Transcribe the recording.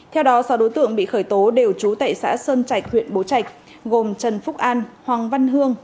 theo đó sáu đối tượng bị khởi tố đều trú tại xã sơn trạch huyện bố trạch gồm trần phúc an hoàng văn hương